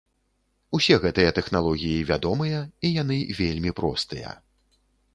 Усе гэтыя тэхналогіі вядомыя і яны вельмі простыя.